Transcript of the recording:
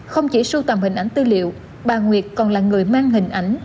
không chỉ sưu tầm hình ảnh tư liệu bà nguyệt còn là người mang hình ảnh